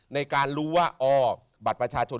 ในการรู้ว่าอ๋อบัตรประชาชน